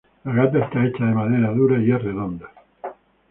La gata está hecha de madera dura y es redonda.